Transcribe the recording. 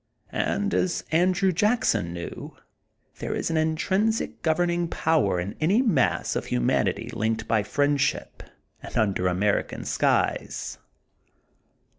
And, as Andrew Jackson knew, there is an intrinsic governing power in any mass of humanity linked by friendship and under American skies.